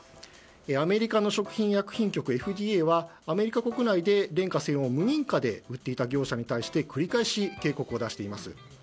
アメリカの食品医薬品局・ＦＤＡはアメリカ国内で連花清おんを無認可で売っていた業者に対し繰り返し警告を行っています。